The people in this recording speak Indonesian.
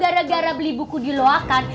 gara gara beli buku di loakan